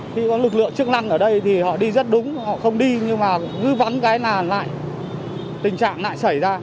khi có lực lượng chức năng ở đây thì họ đi rất đúng họ không đi nhưng mà cứ vắn cái là lại tình trạng lại xảy ra